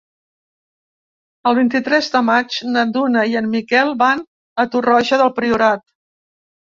El vint-i-tres de maig na Duna i en Miquel van a Torroja del Priorat.